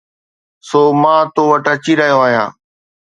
سو مان تو وٽ اچي رهيو آهيان